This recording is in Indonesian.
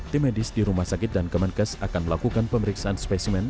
tim medis di rumah sakit dan kemenkes akan melakukan pemeriksaan spesimen